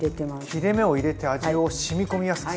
切れ目を入れて味をしみ込みやすくするのはいいですね。